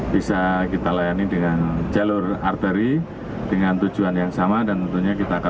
bisa kita layani dengan jalur arteri dengan tujuan yang sama dan tentunya kita akan